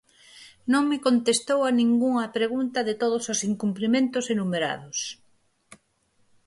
Non me contestou a ningunha pregunta de todos os incumprimentos enumerados.